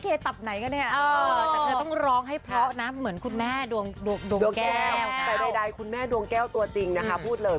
คุณผมคุณอ่านเดี๋ยวเราจะแต่งเหมือนแบบว่าพี่แจกจิ้นสับป้าลังเติ้ลกันเลย